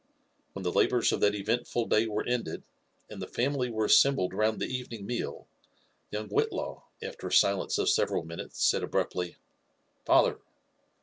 When the labours of th^t eventful day were ended, an^ the family were assembled round the evening meal, young Whitlaw, after a silence of several minutes, said abruptly, *' Father